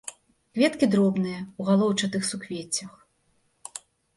Кветкі дробныя, у галоўчатых суквеццях.